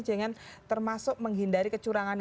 dengan termasuk menghindari kecurangan